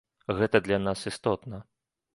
Гэта для нас істотна.